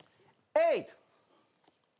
エイト。